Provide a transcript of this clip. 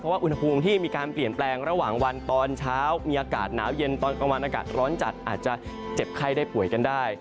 ว่าอุณหภูมิที่มีการเปลี่ยนแปลงระหว่างวันตอนเช้ามีอากาศหนาวเย็นตอนกลางวันอากาศร้อนจัดอาจจะเจ็บไข้ได้ป่วยกันได้